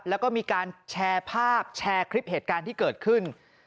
แล้วก็มีการแชร์ภาพแชร์คลิปเหตุการณ์ที่เกิดขึ้น